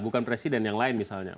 bukan presiden yang lain misalnya